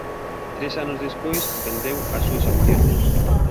Tres anos despois vendeu as súas accións.